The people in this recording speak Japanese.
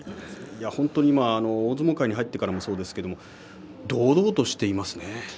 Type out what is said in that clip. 本当に大相撲界に入ってからもそうですけれど堂々としていますね。